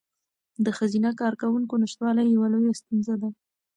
د ښځینه کارکوونکو نشتوالی یوه لویه ستونزه ده.